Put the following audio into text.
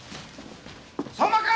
相馬君！